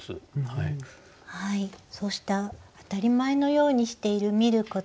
そうした当たり前のようにしている見ること。